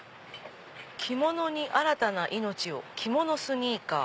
「着物に新たな命を着物スニーカー」。